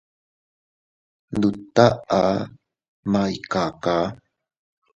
Nduttaʼa ma ikaka.